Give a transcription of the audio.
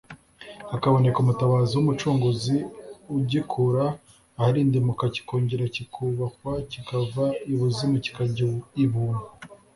hakaboneka Umutabazi w’Umucunguzi ugikura aharindimuka kikongera kikubakwa kikava ibuzimu kikajya ibuntu